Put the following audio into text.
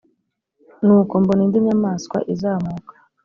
nuko mbona indi nyamaswa izamuka